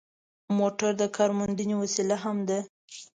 موټر د کارموندنې وسیله هم ده.